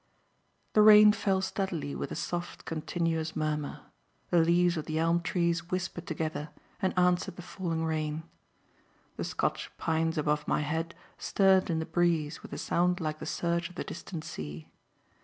The rain fell steadily with a soft, continuous murmur; the leaves of the elm trees whispered together and answered the falling rain. The Scotch pines above my head stirred in the breeze with a sound like the surge of the distant sea.